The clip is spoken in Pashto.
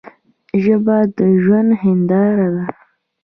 ژبه د ژوند هنداره ده.